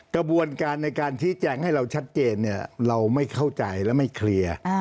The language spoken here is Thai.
กระบวนการในการชี้แจงให้เราชัดเจนเราไม่เข้าใจและไม่เคลียร์